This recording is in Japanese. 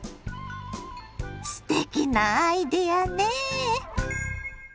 すてきなアイデアねぇ。